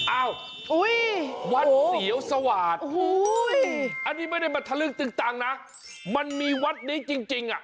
อ้าววัดเสียวสวาสตร์อันนี้ไม่ได้มาทะลึกตึงตังนะมันมีวัดนี้จริงอ่ะ